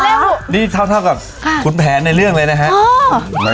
ดนตรีเท่ากับคุณแผนในเรื่องเลยนะคะ